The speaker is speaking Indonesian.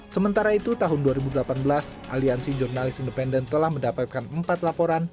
sementara itu tahun dua ribu delapan belas aliansi jurnalis independen telah mendapatkan empat laporan